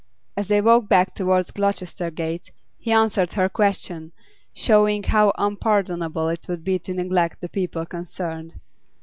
As they walked back towards Gloucester Gate, he answered her question, showing how unpardonable it would be to neglect the people concerned.